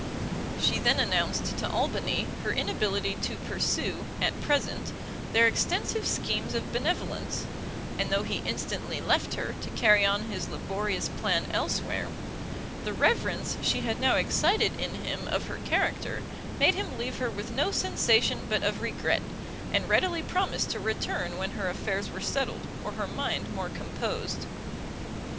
She then announced to Albany her inability to pursue, at present, their extensive schemes of benevolence; and though he instantly left her, to carry on his laborious plan elsewhere, the reverence she had now excited in him of her character, made him leave her with no sensation but of regret, and readily promise to return when her affairs were settled, or her mind more composed.